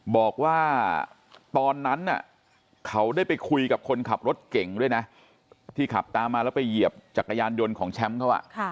บอกว่าตอนนั้นเขาได้ไปคุยกับคนขับรถเก่งด้วยนะที่ขับตามมาแล้วไปเหยียบจักรยานยนต์ของแชมป์เขา